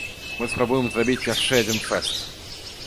Мы спрабуем зрабіць яшчэ адзін фэст.